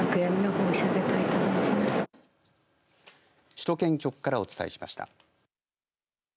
首都圏局からお伝えしました。